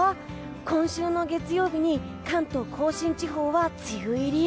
今週月曜日に関東地方は梅雨入り。